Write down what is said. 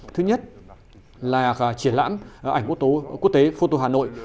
thứ nhất là triển lãm ảnh quốc tế photo hà nội